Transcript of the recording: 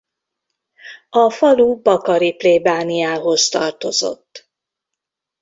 A falu bakari plébániához tartozott.